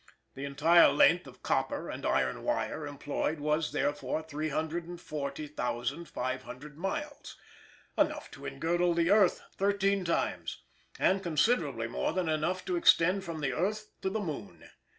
The entire length of copper and iron wire employed was, therefore, 340,500 miles enough to engirdle the earth thirteen times, and considerably more than enough to extend from the earth to the moon.